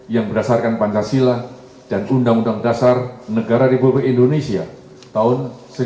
yang berdasarkan pancasila dan undang undang dasar negara republik indonesia tahun seribu sembilan ratus empat puluh lima